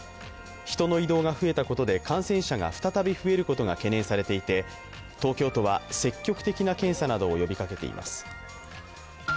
人の移動が増えたことで感染者が再び増えることが懸念されていて、東京都は積極的な検査などを呼びかけています。